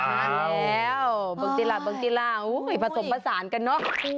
อ้าวบังติลาผสมผสานกันเนอะ